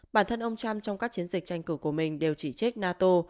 bản thân ông trump trong các chiến dịch tranh cử của mình đều chỉ trích nato